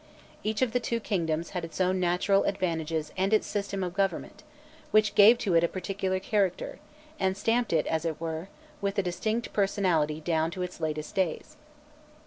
Each of the two kingdoms had its own natural advantages and its system of government, which gave to it a particular character, and stamped it, as it were, with a distinct personality down to its latest days.